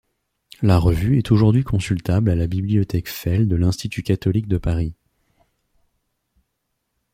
La Revue est aujourd’hui consultable à la bibliothèque Fels de l’Institut Catholique de Paris.